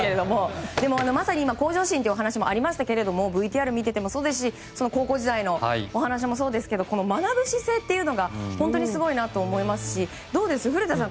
でも向上心という話も今まさにありましたけどＶＴＲを見ていてもそうですし高校時代のお話もそうですけど学ぶ姿勢が本当にすごいなって思いますしどうです、古田さん。